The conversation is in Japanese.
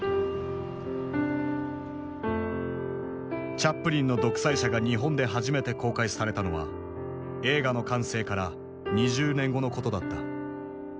チャップリンの「独裁者」が日本で初めて公開されたのは映画の完成から２０年後のことだった。